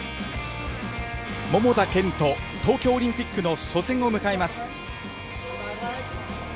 桃田賢斗、東京オリンピックの初戦を迎えます。